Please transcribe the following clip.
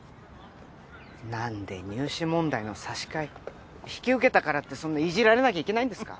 なんで入試問題の差し替え引き受けたからってそんないじられなきゃいけないんですか？